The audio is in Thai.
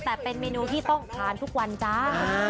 แต่เป็นเมนูที่ต้องทานทุกวันจ้า